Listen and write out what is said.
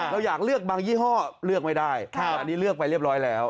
เราอยากเลือกบางยี่ห้อเลือกไม่ได้อันนี้เลือกไปเรียบร้อยแล้ว